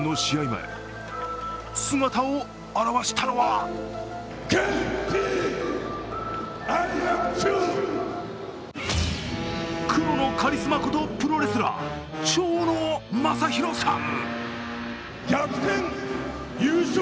前、姿を現したのは黒のカリスマことプロレスラー・蝶野正洋さん。